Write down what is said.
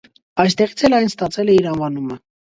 Այստեղից էլ այն ստացել է իր անվանումը։